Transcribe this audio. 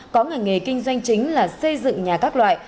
có ngành nghề kinh doanh chính là xây dựng nhà các loại